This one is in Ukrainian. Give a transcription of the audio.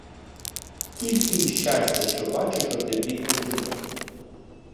Тільки й щастя, що бачиш оте бідне кіно.